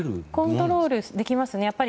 コントロールできますね。